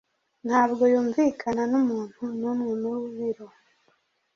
Ntabwo yumvikana numuntu numwe mubiro.